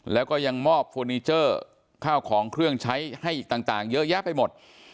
แล้วก็ยังมอบเฟอร์นิเจอร์ข้าวของเครื่องใช้ให้อีกต่างเยอะแยะไปหมด